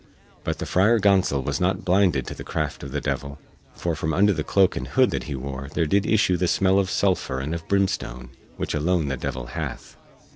But the Friar Gonsol was not blinded to the craft of the devil, for from under the cloak and hood that he wore there did issue the smell of sulphur and of brimstone which alone the devil hath.